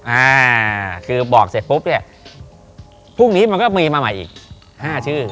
อ่าคือบอกเสร็จปุ๊บเนี่ยพรุ่งนี้มันก็มีมาใหม่อีกห้าชื่อ